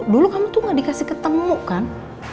dulu kamu tuh gak dikasih ketemu kan